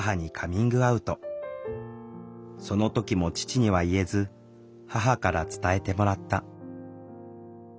その時も父には言えず母から伝えてもらった。